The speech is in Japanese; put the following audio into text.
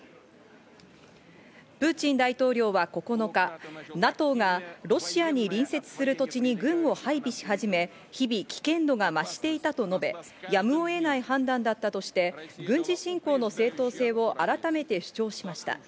プーチン大統領は９日、ＮＡＴＯがロシアに隣接する土地に軍を配備しはじめ、日々危険度が増していたと述べ、やむを得ない判断だったとして軍事侵攻の正当性を改めて主張しました。